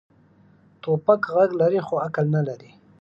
توپک غږ لري، خو عقل نه لري.